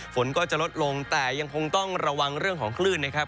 ฝนก็จะลดลงแต่ยังคงต้องระวังเรื่องของคลื่นนะครับ